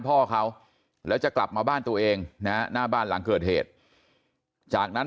พ่อเขาแล้วจะกลับมาบ้านตัวเองนะหน้าบ้านหลังเกิดเหตุจากนั้น